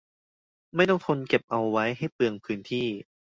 ไม่ต้องทนเก็บเอาไว้ให้เปลืองพื้นที่